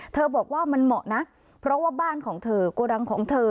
บอกว่ามันเหมาะนะเพราะว่าบ้านของเธอโกดังของเธอ